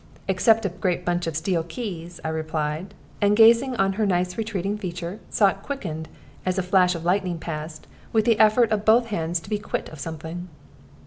"Except a great bunch of steel keys," I replied; and gazing at her nice retreating figure, saw it quickened, as a flash of lightning passed, with the effort of both hands to be quit of something.